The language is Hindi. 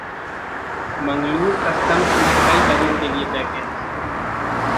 मंगलूर कस्टम्स में कई पदों के लिए वैकेंसी